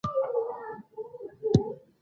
په تاسو کې غوره هغه څوک دی چې ښه اخلاق ولري.